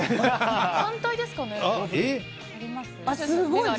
反対ですかね。